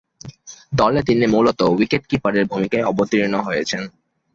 দলে তিনি মূলতঃ উইকেট-কিপারের ভূমিকায় অবতীর্ণ হয়েছেন।